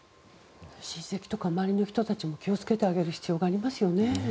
親戚とか周りの人も気を付けてあげる必要がありますね。